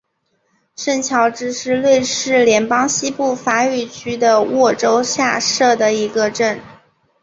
圣乔治是瑞士联邦西部法语区的沃州下设的一个镇。